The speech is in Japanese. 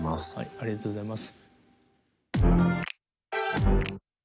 ありがとうございます。